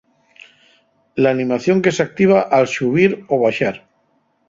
L'animación que s'activa al xubir o baxar.